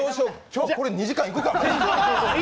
今日これ２時間いくか！